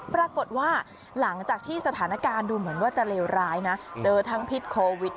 ปรากฏว่าหลังจากที่สถานการณ์ดูเหมือนว่าจะเลวร้ายนะเจอทั้งพิษโควิด